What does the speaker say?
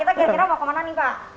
ayo pak kita kira kira mau kemana nih pak